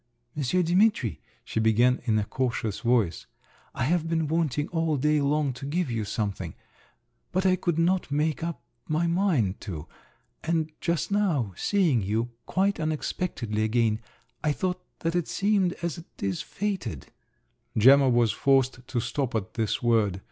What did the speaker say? "Monsieur Dimitri," she began in a cautious voice, "I have been wanting all day long to give you something … but I could not make up my mind to; and just now, seeing you, quite unexpectedly again, I thought that it seems it is fated" … Gemma was forced to stop at this word.